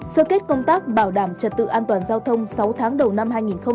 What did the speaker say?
sơ kết công tác bảo đảm trật tự an toàn giao thông sáu tháng đầu năm hai nghìn hai mươi